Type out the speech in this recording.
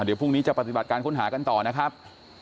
เดี๋ยวพรุ่งนี้จะปฏิบัติการค้นหากันต่อนะครับ